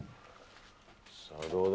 さあ、どうだ。